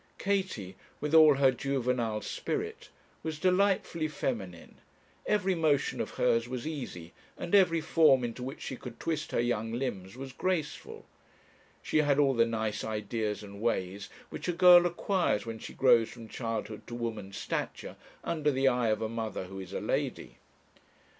Katie, with all her juvenile spirit, was delightfully feminine; every motion of hers was easy, and every form into which she could twist her young limbs was graceful. She had all the nice ideas and ways which a girl acquires when she grows from childhood to woman's stature, under the eye of a mother who is a lady.